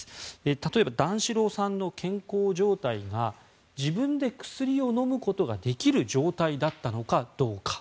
たとえば段四郎さんの健康状態が自分で薬を飲むことができる状態だったのかどうか。